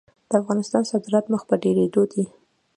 د افغانستان صادرات مخ په ډیریدو دي